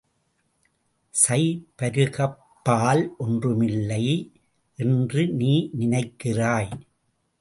சைபருக்கப்பால் ஒன்றுமில்லை என்று நீ நினைக்கிறாய்.